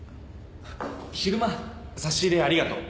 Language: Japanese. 昼間差し入れありがとう。